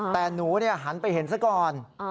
แต่หนูหันไปเห็นซะก่อน